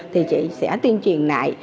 thì chị sẽ tiên truyền lại